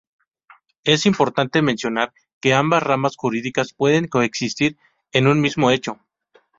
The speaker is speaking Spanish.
Es importante mencionar que ambas ramas jurídicas pueden coexistir en un mismo hecho.